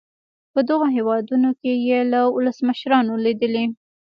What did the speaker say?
په دغو هېوادونو کې یې له ولسمشرانو لیدلي.